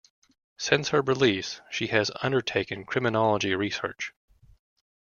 Since her release, she has undertaken criminology research.